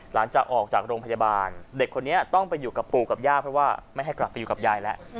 หลังจากออกจากโรงพยาบาลเด็กคนนี้ต้องไปอยู่กับปู่กับย่าเพราะว่าไม่ให้กลับไปอยู่กับยายแล้ว